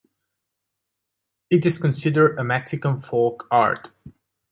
It is considered a Mexican folk art.